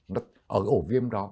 nó ở ổ viêm đó